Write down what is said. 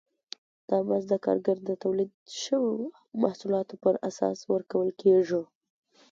دا مزد د کارګر د تولید شویو محصولاتو پر اساس ورکول کېږي